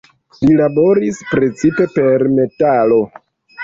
Li laboris precipe per metalo.